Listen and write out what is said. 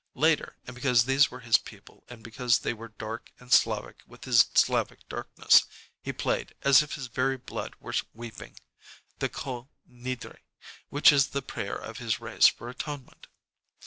Later, and because these were his people and because they were dark and Slavic with his Slavic darkness, he played, as if his very blood were weeping, the "Kol Nidre," which is the prayer of his race for atonement.